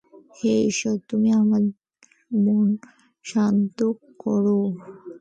হে ঈশ্বর, তুমি আমার মন শান্ত কর।